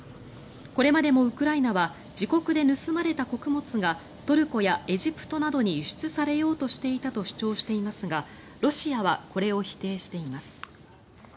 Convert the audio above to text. これまでもウクライナは自国で盗まれた穀物がトルコやエジプトなどに輸出されようとしていたと主張していますがロシアはこれを否定しています。